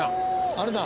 あれだ。